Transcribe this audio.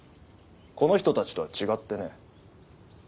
この人たちとは違ってね。